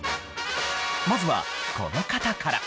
まずはこの方から。